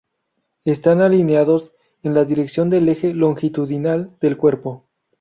Están alineados en la dirección del eje longitudinal del cuerpo.